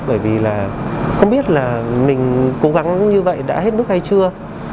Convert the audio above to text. bởi vì là không biết là mình cố gắng như vậy đã hết mức hay chưa